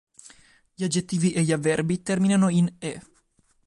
Gli aggettivi e gli avverbi terminano in "-e".